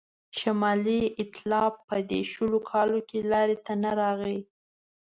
شمالي ایتلاف په دې شلو کالو کې لاري ته رانغی.